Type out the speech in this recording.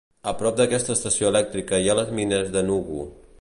A prop d'aquesta estació elèctrica hi ha les mines d'Enugu.